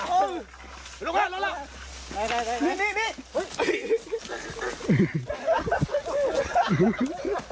โอ้ยลงแล้วลงแล้วนี่นี่นี่